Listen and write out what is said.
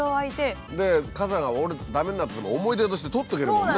傘が折れて駄目になっても思い出としてとっておけるもんね。